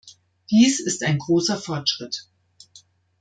Dies ist ein großer Fortschritt!